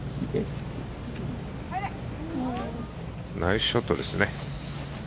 ナイスショットですね。